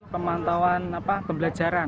pemantauan apa pembelajaran